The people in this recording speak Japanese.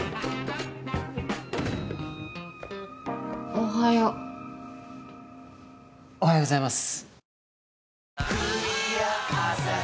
・おはよう。おはようございます。